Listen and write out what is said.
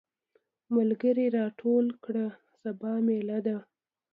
ملګري راټول کړه سبا ميله ده.